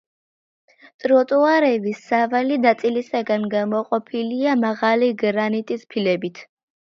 ტროტუარები სავალი ნაწილისაგან გამოყოფილია მაღალი გრანიტის ფილებით.